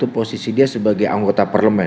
posisi dia sebagai anggota parlemen